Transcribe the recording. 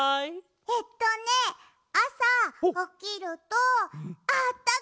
えっとねあさおきるとあったかい！